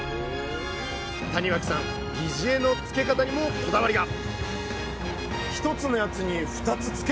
谷脇さん擬似餌の付け方にもこだわりが！